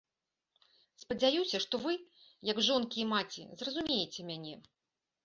Спадзяюся, што вы, як жонкі і маці, зразумееце мяне.